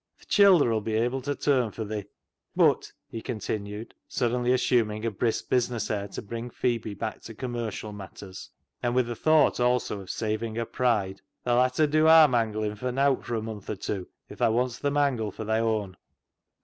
Th' childer 'ull be able ta turn fur thi." A DIPLOMATIC REVERSE 229 " But," he continued, suddenly assuming a brisk business air to bring Pliebe back to com mercial matters, and with a thought also of saving her pride, " tha'll ha' ta dew aar manglin' fur nowt fur a month or tew if thaa wants th' mangle fur thy own."